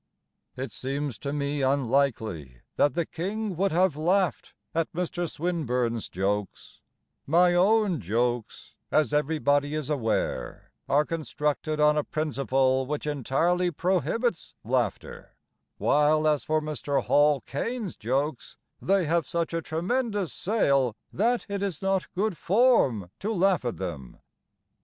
It seems to me unlikely That the King would have laughed At Mr. Swinburne's jokes; My own jokes, as everybody is aware, Are constructed on a principle Which entirely prohibits laughter; While, as for Mr. Hall Caine's jokes, They have such a tremendous sale That it is not good form to laugh at them.